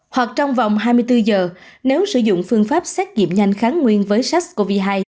hoặc trong vòng hai mươi bốn giờ nếu sử dụng phương pháp xét nghiệm nhanh kháng nguyên với sars cov hai